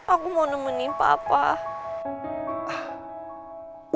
aku mau nemenin bapak